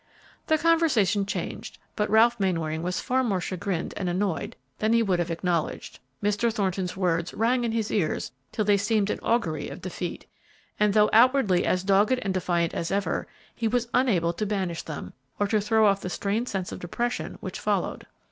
The conversation changed, but Ralph Mainwaring was far more chagrined and annoyed than he would have acknowledged. Mr. Thornton's words rang in his ears till they seemed an augury of defeat, and, though outwardly as dogged and defiant as ever, he was unable to banish them, or to throw off the strange sense of depression which followed.